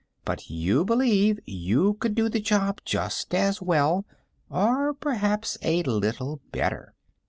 "But you believe you could do the job just as well, or perhaps a little better."